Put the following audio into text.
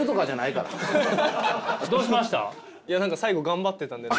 いや何か最後頑張ってたんで。